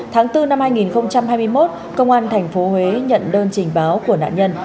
tháng bốn năm hai nghìn hai mươi một công an tp huế nhận đơn trình báo của nạn nhân